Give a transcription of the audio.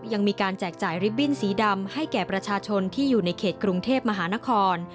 ยังมีการแจกจ่ายริบบิ้นสีดำให้แก่ประชาชนที่อยู่ในเขตกรุงเทพมหานคร